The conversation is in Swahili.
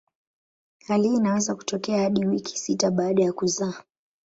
Hali hii inaweza kutokea hadi wiki sita baada ya kuzaa.